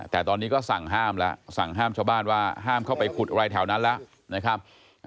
แต่ตอนนี้ก็สั่งห้ามแล้วสั่งห้ามชาวบ้านว่าห้ามเข้าไปขุดอะไรแถวนั้นแล้วนะครับ